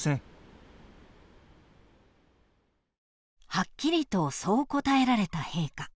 ［はっきりとそう答えられた陛下］